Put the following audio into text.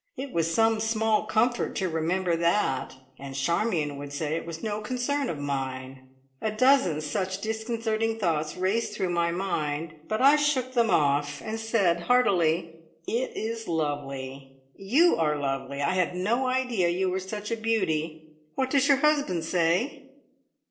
It was some small comfort to remember that, and Charmion would say it was no concern of mine. A dozen such disconcerting thoughts raced through my mind, but I shook them off, and said heartily: "It is lovely! You are lovely! I had no idea you were such a beauty. What does your husband say?"